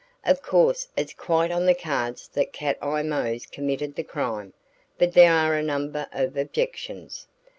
"Of course it's quite on the cards that Cat Eye Mose committed the crime but there are a number of objections.